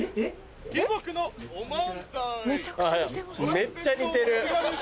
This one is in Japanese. めっちゃ似てる。